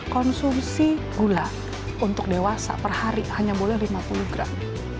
konsumsi gula untuk dewasa per hari hanya boleh lima puluh gram